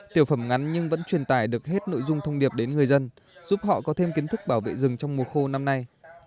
tiểu phẩm ngắn nhưng vẫn truyền tải được hết nội dung thông điệp đến người dân giúp họ có thêm kiến thức bảo vệ rừng trong mùa khô năm nay